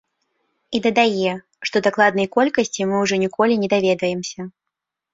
І дадае, што дакладнай колькасці мы ўжо ніколі не даведаемся.